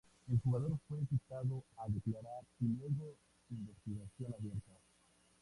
El jugador fue citado a declarar y luego investigación abierta.